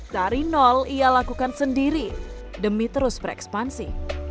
dari nol ia lakukan sendiri demi terus berekspansi